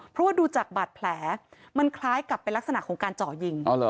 เพราะว่าดูจากบาดแผลมันคล้ายกับเป็นลักษณะของการเจาะยิง